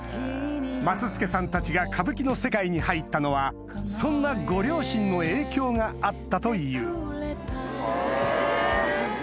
松助さんたちが歌舞伎の世界に入ったのはそんなご両親の影響があったというへぇ。